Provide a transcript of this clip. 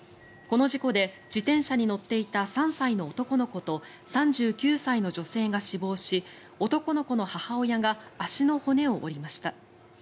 この事故で、自転車に乗っていた３歳の男の子と３９歳の女性が死亡し男の子の母親が足の骨を折りました。